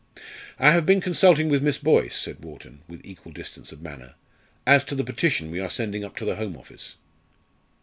"I have been consulting with Miss Boyce," said Wharton, with equal distance of manner, "as to the petition we are sending up to the Home Office."